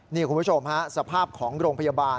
นี่คุณผู้ชมฮะสภาพของโรงพยาบาล